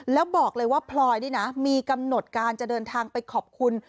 แล้วบอกเลยว่าพลอยนี่นะมีกำหนดการจะเดินทางไปขอบคุณ